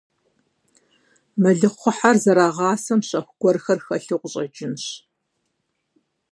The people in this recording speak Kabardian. Мэлыхъуэхьэр зэрагъасэм щэху гуэрхэр хэлъу къыщӀэкӀынщ.